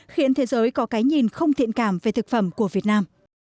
khiến thế giới có cái nhìn không thiện cảm về thực phẩm của việt nam